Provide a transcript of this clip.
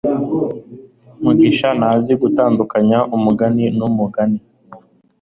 mugisha ntazi gutandukanya umugani numugani